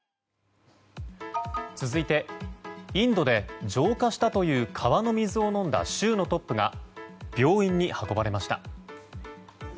続いてインドで浄化したという川の水を飲んだ州のトップが病院に運ばれました。